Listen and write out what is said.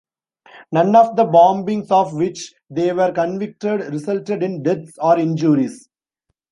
None of the bombings of which they were convicted resulted in deaths or injuries.